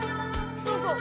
そうそう！